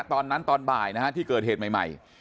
ตอนนั้นตอนบ่ายนะฮะที่เกิดเหตุใหม่